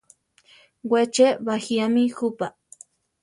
We che bajíami jupa.